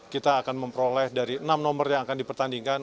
kita akan memperoleh dari enam nomor yang akan dipertandingkan